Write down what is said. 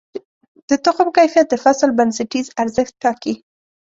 د تخم کیفیت د فصل بنسټیز ارزښت ټاکي.